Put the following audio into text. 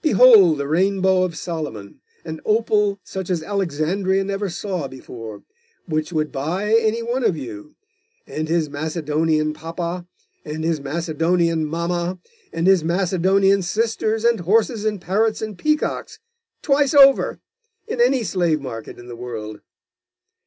Behold the Rainbow of Solomon, an opal such as Alexandria never saw before, which would buy any one of you, and his Macedonian papa, and his Macedonian mamma, and his Macedonian sisters, and horses, and parrots, and peacocks, twice over, in any slave market in the world.